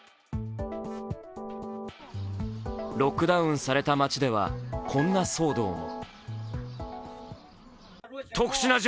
ロックダウンされた街ではこんな騒動も。